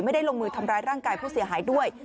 ลงมือทำร้ายร่างกายผู้เสียหายด้วย